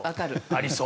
ありそう。